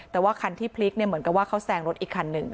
แต่ว่าคันที่พลิกเนี่ยเหมือนกับว่าเขาแซงรถอีกคันหนึ่ง